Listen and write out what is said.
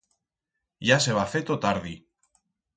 Ya s'heba feto tardi.